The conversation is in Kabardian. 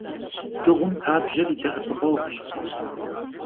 Dığum pabjer yi de'epıkhueğuş.